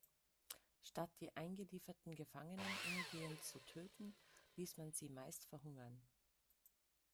Statt die eingelieferten Gefangenen umgehend zu töten, ließ man sie meist verhungern.